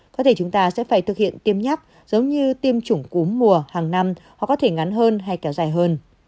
có thể chúng ta sẽ phải thực hiện tiêm nhắc giống như tiêm chủng cúm mùa hàng năm hoặc có thể ngắn hơn hay kéo dài hơn